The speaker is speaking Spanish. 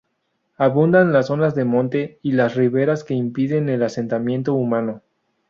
Abundan las zonas de monte y las riberas que impiden el asentamiento humano.